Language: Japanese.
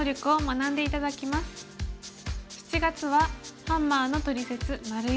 ７月は「ハンマーのトリセツ④」。